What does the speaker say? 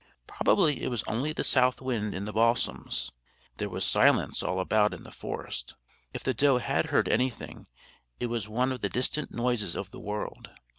Probably it was only the south wind in the balsams. There was silence all about in the forest. If the doe had heard anything it was one of the distant noises of the world.